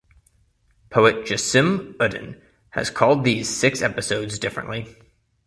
Poet Jasim Uddin has called these six episodes differently.